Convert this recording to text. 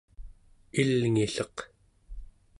ilngilleq gap